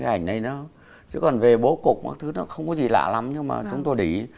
cái ảnh này nó chứ còn về bố cục nó không có gì lạ lắm nhưng mà chúng tôi để ý